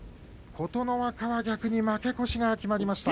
琴ノ若は逆に負け越しが決まりました。